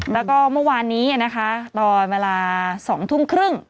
แล้วก็เมื่อวานนี้นะคะตอนเวลา๒ทุ่มครึ่ง